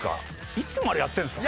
いつもあれやってるんですか？